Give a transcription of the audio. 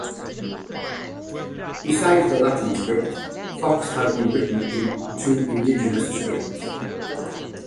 Besides the Latin script, Fox has been written in two indigenous scripts.